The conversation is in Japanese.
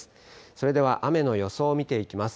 それでは雨の予想を見ていきます。